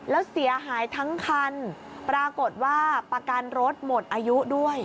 แล้วเสียหายทั้งคันปรากฏว่าประกันรถหมดอายุด้วย